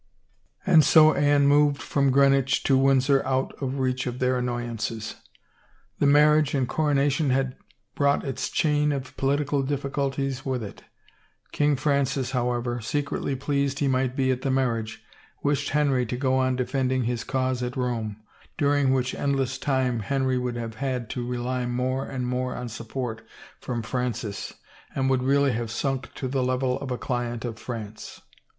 And so Anne moved from Greenwich to Windsor out of reach of their annoyances. The marriage and coronation had brought its chain of political difficulties with it. King Francis, however secretly pleased he might be at the marriage, wished Henry to go on defending his cause at Rome, during 266 THE CHILD which endless time Henry wotild have had to rely more and more on support from Francis and would really have sunk to the level of a client of France.